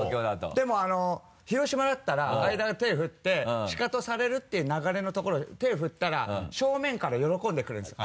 でも広島だったら相田が手を振ってシカトされるっていう流れのところを手を振ったら正面から喜んでくれるんですよ。